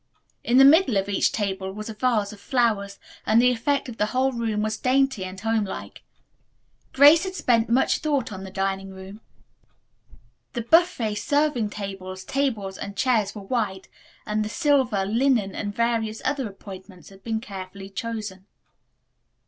In the middle of each table was a vase of flowers, and the effect of the whole room was dainty and homelike. Grace had spent much thought on the dining room. The buffet, serving tables, tables and chairs were white, and the silver, linen and various other appointments had been carefully chosen.